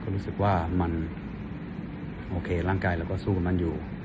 รู้สึกว่ามันโอเคร่างกายแล้วก็สู้อยู่